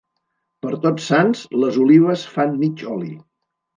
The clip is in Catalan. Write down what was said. Per Tots Sants, les olives fan mig oli.